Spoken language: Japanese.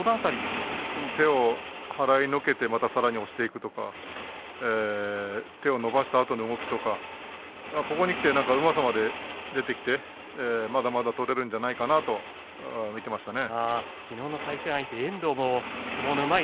手を払いのけて、さらに押していくとか手を伸ばしたあとの動きとかここにきてうまさまで出てきてまだまだ取れるんじゃないかと見ていましたね。